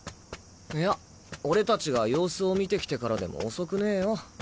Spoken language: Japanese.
いや俺達が様子を見てきてからでも遅くねえよ。